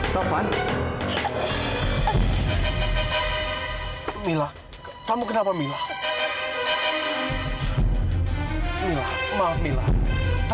tanpa jika tak ada cinta kak ta sweat